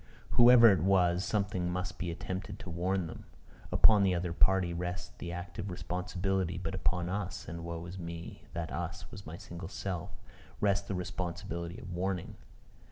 Whoever it was, something must be attempted to warn them. Upon the other party rests the active responsibility, but upon us and, woe is me! that us was my single self rest the responsibility of warning.